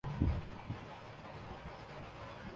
آج کے سیاستدان تو مان لیا بڑے نکمّے اورکرپٹ ہیں